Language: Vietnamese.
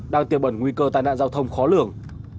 đang tiêu bẩn nguy cơ tai nạn giao thông khó lưởng